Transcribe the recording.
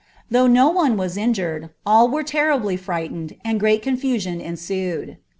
Though no one was iniurea. all were terribly Bd, and great confusion ensued.